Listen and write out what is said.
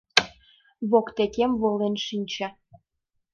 Воктекем волен шинче.